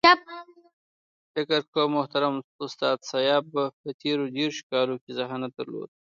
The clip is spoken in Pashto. فکر کوم محترم استاد سیاف په تېرو دېرشو کالو کې ذهانت درلود.